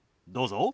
どうぞ。